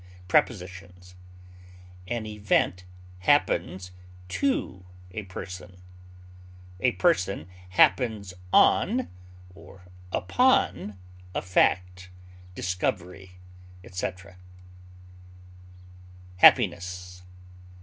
] Prepositions: An event happens to a person; a person happens on or upon a fact, discovery, etc. HAPPINESS.